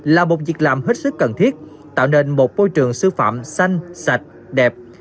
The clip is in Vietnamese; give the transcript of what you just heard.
là một việc làm hết sức cần thiết tạo nên một môi trường sư phạm xanh sạch đẹp